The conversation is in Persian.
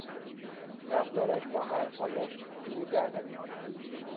رفتارش با حرفهایش جور در نمیآید.